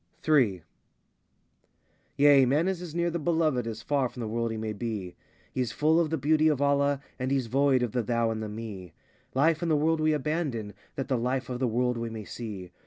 Ill Yea, Man is as near the Beloved As far from the world he may be; He is full of the beauty of Allah As he's void of the Thou and the Me. Life and the world we abandon That the Life of the world we may see.